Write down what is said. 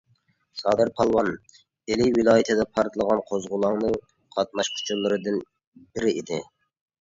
سادىر پالۋان ئىلى ۋىلايىتىدە پارتلىغان قوزغىلاڭنىڭ قاتناشقۇچىلىرىدىن بىرى ئىدى.